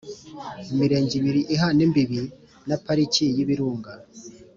imirenge ibiri ihana imbibi na Pariki y ibirunga